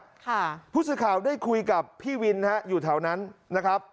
ค่ะผู้สื่อข่าวได้คุยกับพี่วินฮะอยู่แถวนั้นนะครับ